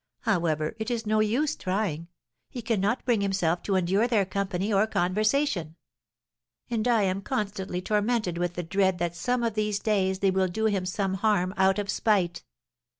However, it is no use trying; he cannot bring himself to endure their company or conversation. And I am constantly tormented with the dread that some of these days they will do him some harm out of spite."